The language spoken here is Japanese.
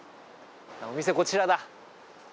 お店、こちらだ。